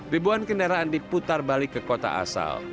ribuan kendaraan diputar balik ke kota asal